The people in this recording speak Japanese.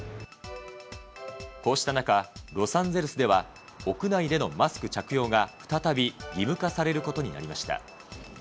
こうした中、ロサンゼルスでは、屋内でのマスク着用が再び義務化されることになりました。